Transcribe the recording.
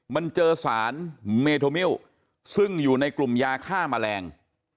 มันเจอสารเมโทมิลซึ่งอยู่ในกลุ่มยาฆ่าแมลง